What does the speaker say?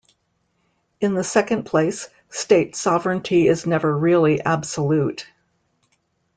In the second place, state sovereignty is never really absolute.